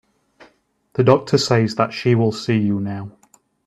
The doctor says that she will see you now.